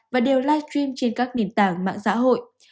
và đều live stream trên các nền tảng mạng xã hội